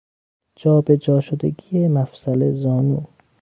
جا به جا شدگی مفصل زانو